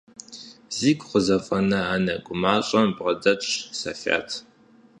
Зигу къызэфӀэна анэ гумащӀэм бгъэдэтщ Софят.